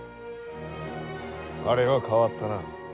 あれは変わったな。